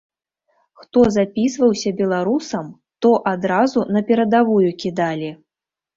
Хто запісваўся беларусам, то адразу на перадавую кідалі.